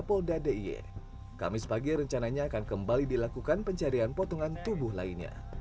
polda diy kami sepagi rencananya akan kembali dilakukan pencarian potongan tubuh lainnya